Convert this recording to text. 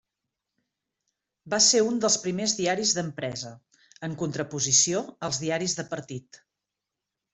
Va ser un dels primers diaris d'empresa, en contraposició als diaris de partit.